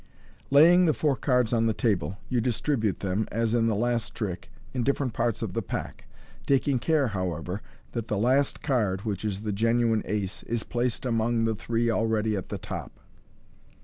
Laying the four cards on the table, you distribute them, as in the last trick, in different parts of the pack; taking care, however, that the last card (which is the genuine ace), is placed among the three already at the top.